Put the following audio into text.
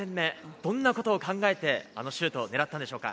どんなことを考えてあのシュートを狙ったでしょうか？